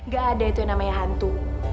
gak ada itu yang namanya hantu